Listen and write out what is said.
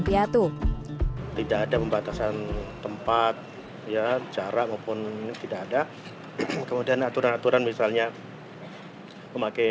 piatu tidak ada pembatasan tempat ya jarak maupun tidak ada kemudian aturan aturan misalnya memakai